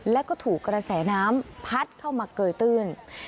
แล้วก็ถูกกระแสน้ำพัดเข้ามาเกยตื้น